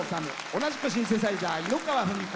同じくシンセサイザー、猪川史子。